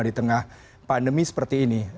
di tengah pandemi seperti ini